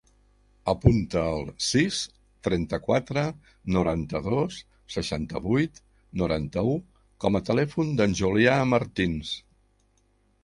Apunta el sis, trenta-quatre, noranta-dos, seixanta-vuit, noranta-u com a telèfon del Julià Martins.